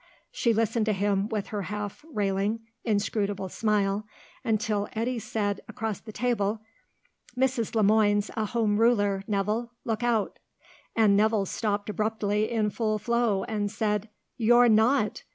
She listened to him with her half railing, inscrutable smile, until Eddy said across the table, "Mrs. Le Moine's a Home Ruler, Nevill; look out," and Nevill stopped abruptly in full flow and said, "You're not!"